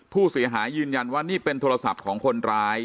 ผู้เสียหายยืนยันว่านี่เป็นโทรศัพท์ของคนร้าย